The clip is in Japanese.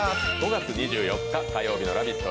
５月２４日火曜日の「ラヴィット！」